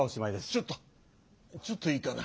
ちょっとちょっといいかな。